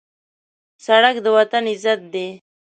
سړک د وطن عزت دی.